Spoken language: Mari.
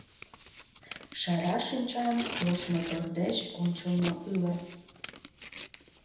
Шара шинчан ош мотор деч ончылно ыле.